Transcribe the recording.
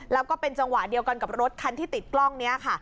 แล้วก็เป็นจังหวะเดียวกันกับรถคันที่ติดกล้องนี้ค่ะ